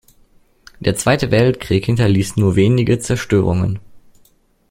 Der Zweite Weltkrieg hinterließ nur wenige Zerstörungen.